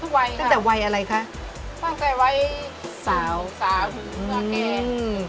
ส่วนภาพของเฮาเลียส่วนการกายพวกเราน่ะเตี๋ยวรสชื่นเตี๋ยว